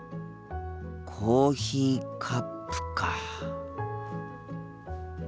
コーヒーカップか。